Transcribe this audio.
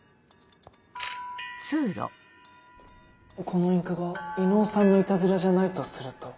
このインクが伊能さんのイタズラじゃないとすると。